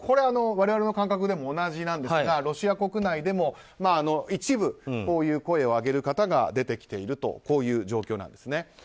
我々の感覚でも同じなんですがロシア国内でも一部こういう声を上げる方が出てきているという状況です。